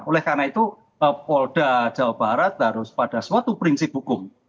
oleh karena itu polda jawa barat harus pada suatu prinsip hukum